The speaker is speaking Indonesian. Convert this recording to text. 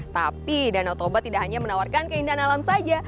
tapi danau toba tidak hanya menawarkan keindahan alam saja